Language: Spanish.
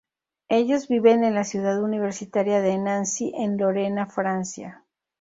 Ellos viven en la ciudad universitaria de Nancy, en Lorena, Francia.